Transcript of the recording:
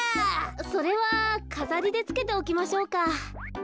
それはかざりでつけておきましょうか。